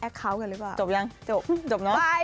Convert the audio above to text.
แอคคาวต์กันหรือเปล่าจบแล้วจบจบแล้วจบแล้วจบแล้วจบแล้วจบ